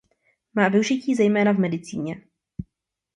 Má využití zejména v medicíně.